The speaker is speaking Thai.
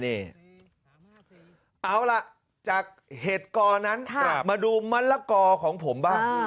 เอาล่ะจากเหตุกอนั้นมาดูมะละกอของผมบ้าง